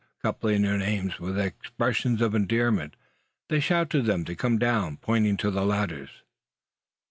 coupling their names with expressions of endearment. They shout to them to come down, pointing to the ladders.